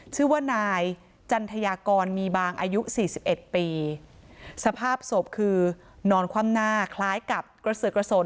ชื่อว่านายจันทยากรมีบางอายุสี่สิบเอ็ดปีสภาพศพคือนอนคว่ำหน้าคล้ายกับกระสือกระสน